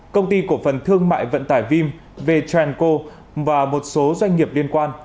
công ty cổ phần thương mại vận tải vim vtranco và một số doanh nghiệp liên quan